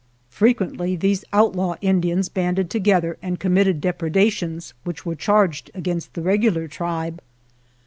Fre quently these outlaw Indians banded to gether and committed depredations which were charged against the regular tribe.